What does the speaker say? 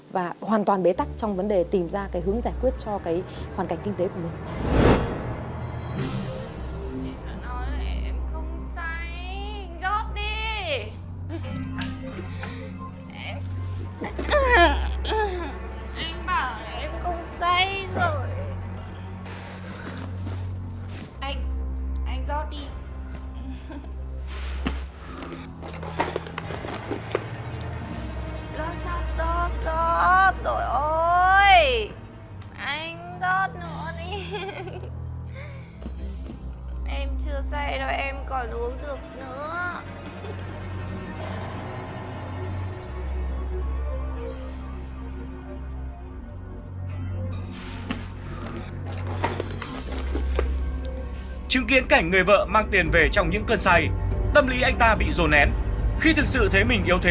và hoàn toàn bế tắc trong vấn đề tìm ra cái hướng giải quyết cho cái hoàn cảnh kinh tế của mình